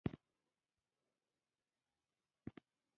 چمن، توپیر، واکدار، ملت د جمع لپاره دي.